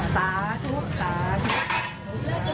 สาธุสาธุ